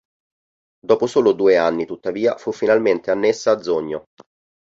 Dopo solo due anni tuttavia, fu finalmente annessa a Zogno.